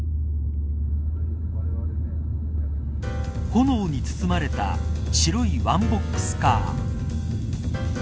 炎に包まれた白いワンボックスカー。